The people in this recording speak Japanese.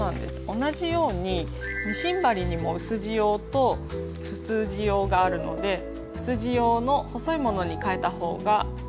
同じようにミシン針にも薄地用と普通地用があるので薄地用の細いものにかえた方がいいですね。